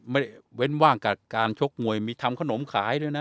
เว้นว่างกับการชกมวยมีทำขนมขายด้วยนะ